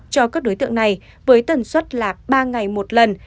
cho các đối tượng này với tần suất là ba ngày một lần